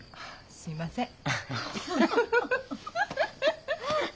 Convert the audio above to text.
すいません。